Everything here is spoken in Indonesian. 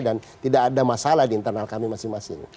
dan tidak ada masalah di internal kami masing masing